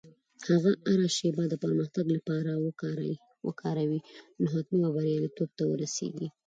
که هره شېبه د پرمختګ لپاره وکاروې، نو حتمي به بریالیتوب ته ورسېږې.